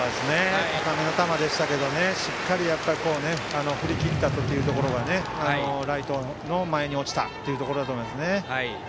高めの球でしたけどしっかり振り切ったところでライトの前に落ちたというところだと思いますね。